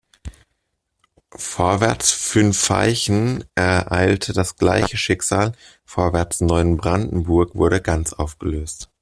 Vorwärts Fünfeichen ereilte das gleiche Schicksal, Vorwärts Neubrandenburg wurde ganz aufgelöst.